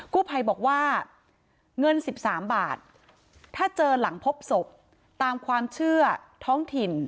กู้ภัยบอกว่าเงิน๑๓บาทถ้าเจอหลังพบศพตามความเชื่อท้องถิ่น